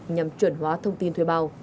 nhằm chuyển hóa thông tin thuê bao